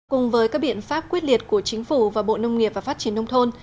cùng với các biện pháp quyết liệt của chính phủ và bộ nông nghiệp và phát triển nông thôn